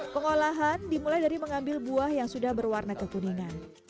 pengolahan dimulai dari mengambil buah yang sudah berwarna kekuningan